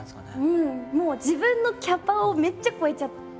もう自分のキャパをめっちゃ超えちゃったんですよね